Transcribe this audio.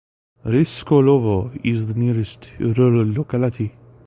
Ryskulovo is the nearest rural locality.